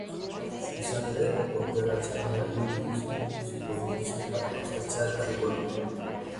Izan ere, portaera txarra eduki izanak zigor murrizketak baztertzea ekarriko luke.